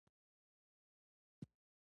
بدرنګه عقل له حسده ډک وي